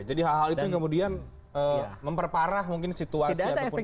jadi hal hal itu kemudian memperparah mungkin situasi ataupun kondisi